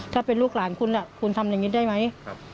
ถ้าเป็นลูกหลานคุณคุณทำอย่างนี้ได้ไหม